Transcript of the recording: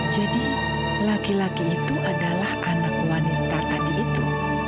jadi laki laki itu adalah anak wanita tadi itu